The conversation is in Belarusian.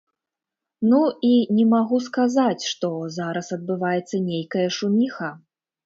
Ну, і не магу сказаць, што зараз адбываецца нейкая шуміха.